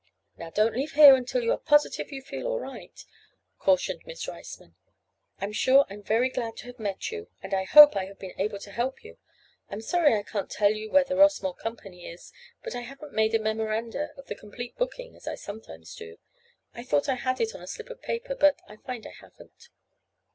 "Now don't leave here until you are positive you feel all right," cautioned Miss Riceman. "I'm sure I'm very glad to have met you and I hope I have been able to help you. I'm sorry I can't tell you where the Rossmore company is, but I haven't made a memoranda of the complete booking as I sometimes do. I thought I had it on a slip of paper but I find I haven't."